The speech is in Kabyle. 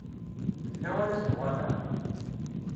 D lawan ad uɣaleɣ.